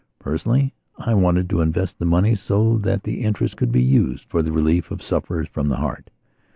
Personally, I wanted to invest the money so that the interest could be used for the relief of sufferers from the heart.